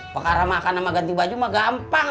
perkara makan sama ganti baju mah gampang